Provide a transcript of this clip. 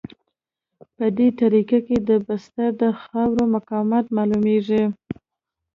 په دې طریقه کې د بستر د خاورې مقاومت معلومیږي